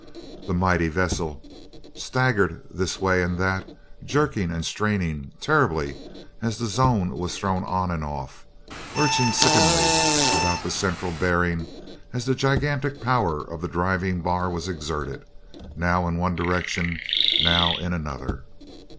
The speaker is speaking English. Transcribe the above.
The mighty vessel staggered this way and that, jerking and straining terribly as the zone was thrown on and off, lurching sickeningly about the central bearing as the gigantic power of the driving bar was exerted, now in one direction, now in another.